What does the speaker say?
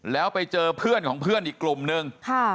แล้วไปเจอเพื่อนของเพื่อนอีกกลุ่มนึง